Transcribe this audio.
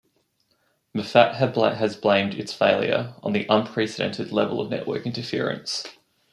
Moffat has blamed its failure on an unprecedented level of network interference.